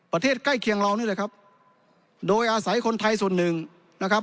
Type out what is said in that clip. ใกล้เคียงเรานี่แหละครับโดยอาศัยคนไทยส่วนหนึ่งนะครับ